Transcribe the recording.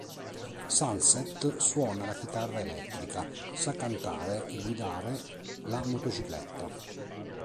Sunset suona la chitarra elettrica, sa cantare e guidare la motocicletta.